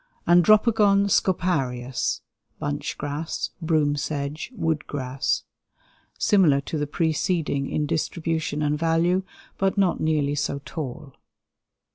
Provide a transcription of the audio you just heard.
Andropogon scoparius (bunch grass; broom sedge; wood grass). Similar to the preceding in distribution and value, but not nearly so tall.